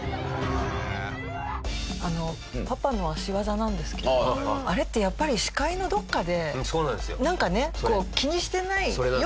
あのパパの足技なんですけどあれってやっぱり視界のどこかでなんかねこう気にしてないようでいて。